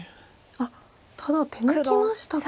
ただ手抜きましたか。